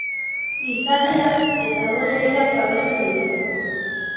Gizakiak eta hauen etxeak babesten ditu.